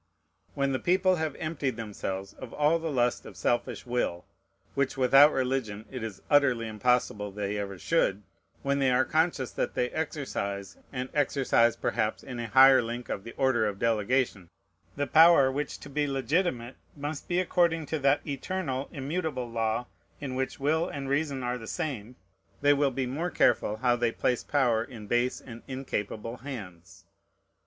When the people have emptied themselves of all the lust of selfish will, which without religion it is utterly impossible they ever should, when they are conscious that they exercise, and exercise perhaps in a higher link of the order of delegation, the power which to be legitimate must be according to that eternal, immutable law in which will and reason are the same, they will be more careful how they place power in base and incapable hands.